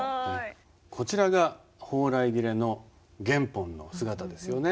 こちらが「蓬切」の原本の姿ですよね。